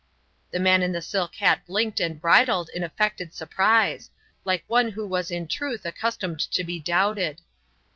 The man in the silk hat blinked and bridled in affected surprise, like one who was in truth accustomed to be doubted.